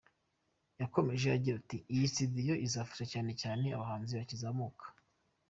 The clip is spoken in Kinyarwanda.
Yakomeje agira ati: “ Iyi studio izafasha cyane cyane abahanzi bakizamuka.